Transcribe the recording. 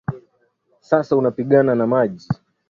Sasa unapigana na maji